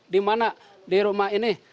di mana di rumah ini